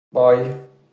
بای